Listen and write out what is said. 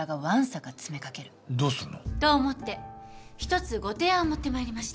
どうするの？と思って一つご提案を持ってまいりました。